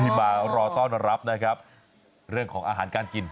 ที่มารอต้อนรับเรื่องของอาหารการกิน